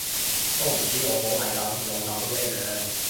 都唔止老母係噉，老竇都一樣